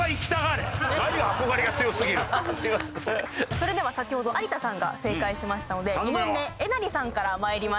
それでは先ほど有田さんが正解しましたので２問目えなりさんからまいりましょう。